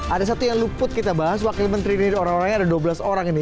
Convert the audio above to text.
ada satu yang luput kita bahas wakil menteri ini orang orangnya ada dua belas orang ini